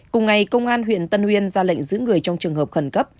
cùng ngày công an huyện tân uyên ra lệnh giữ người trong trường hợp khẩn cấp